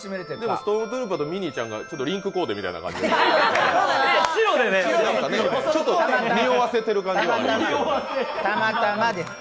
ストームトルーパーとミニーちゃんがリンクコーデみたいな。におわせてる感じはありますね。